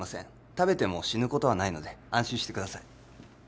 食べても死ぬことはないので安心してください